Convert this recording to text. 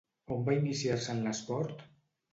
On va iniciar-se en l'esport?